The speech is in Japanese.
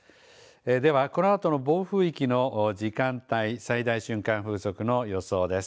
では、このあとの暴風域の時間帯、最大瞬間風速の予想です。